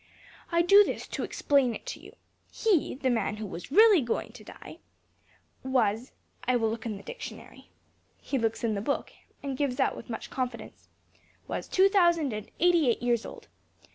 I do this to explain it to you. He, the man who was really going to die, was I will look in the dictionary" (He looks in the book, and gives out with much confidence), "was two thousand and eighty eight years old.